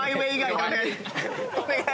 お願い！